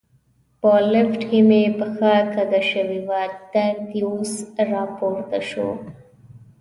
په لفټ کې مې پښه کږه شوې وه، درد یې اوس را پورته شو.